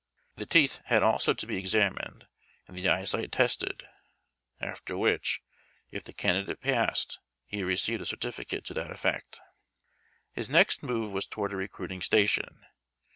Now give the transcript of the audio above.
The teeth had also to be examined, and the eye sight tested, after which, if the candidate passed, he received a certificate to that effect. His next move was toward a recruiting station.